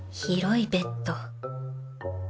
広いベッド。